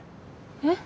えっ？